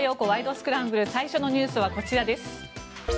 スクランブル」最初のニュースはこちらです。